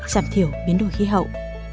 giảm thiểu biến đổi khí hậu